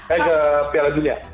eh ke piala dunia